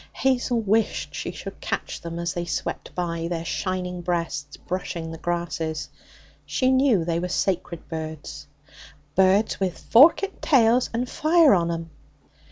Hazel wished she could catch them as they swept by, their shining breasts brushing the grasses. She knew they were sacred birds, 'birds with forkit tails and fire on 'em.'